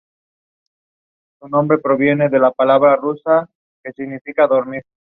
Se le concedió entonces su ascenso a teniente coronel.